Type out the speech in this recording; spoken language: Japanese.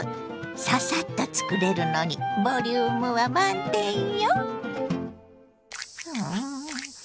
ササッと作れるのにボリュームは満点よ。